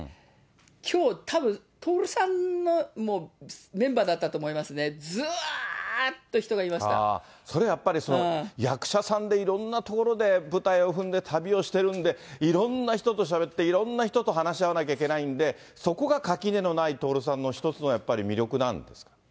きょう、たぶん、徹さんの、もうメンバーだったと思いますね、それやっぱり、役者さんでいろんなところで舞台を踏んで、旅をしてるんで、いろんな人としゃべって、いろんな人と話し合わなきゃいけないんで、そこが垣根のない徹さんの一つのやっぱり魅力なんですか。